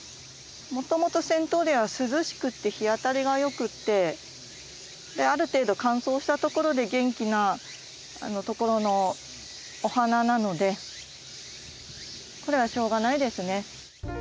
もともとセントーレアは涼しくて日当たりがよくてある程度乾燥したところで元気なところのお花なのでこれはしょうがないですね。